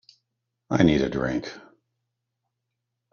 I need a drink.